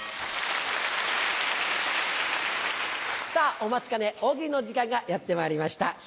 お待ちかね大喜利の時間がやってまいりました。